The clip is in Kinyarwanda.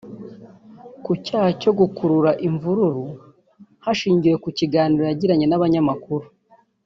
ku cyaha cyo gukurura imvururu hashingiwe ku kiganiro yagiranye n’abanyamakuru